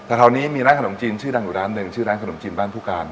แต่แถวนี้มีร้านขนมจีนชื่อดังอยู่ร้านหนึ่งชื่อร้านขนมจีนบ้านผู้การ